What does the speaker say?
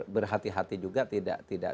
berhati hati juga tidak